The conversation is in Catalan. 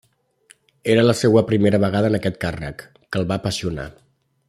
Era la seua primera vegada en aquest càrrec, que el va apassionar.